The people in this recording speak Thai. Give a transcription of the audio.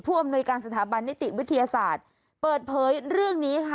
อำนวยการสถาบันนิติวิทยาศาสตร์เปิดเผยเรื่องนี้ค่ะ